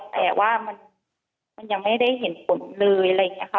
แต่ว่ามันยังไม่ได้เห็นผลเลยอะไรอย่างนี้ค่ะ